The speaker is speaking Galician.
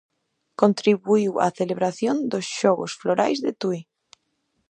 Contribuíu á celebración dos Xogos Florais de Tui.